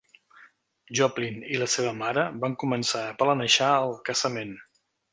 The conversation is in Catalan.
Joplin i la seva mare van començar a planejar el casament.